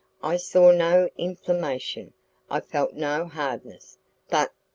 I saw no inflammation, I felt no hardness, but...